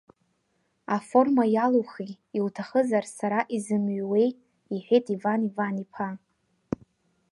Аформа иалоухи, иуҭахызар, сара измыҩуеи, — иҳәеит Иван Иван-иԥа.